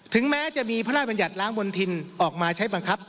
แม้จะมีพระราชบัญญัติล้างบนทินออกมาใช้บังคับ